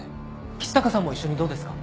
橘高さんも一緒にどうですか？